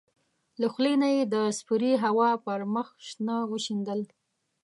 له خولې نه یې د سپېرې هوا پر مخ شنه وشیندل.